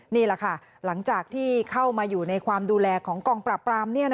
นี่แหละค่ะหลังจากที่เข้ามาอยู่ในความดูแลของกองปราบปราม